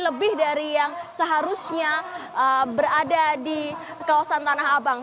lebih dari yang seharusnya berada di kawasan tanah abang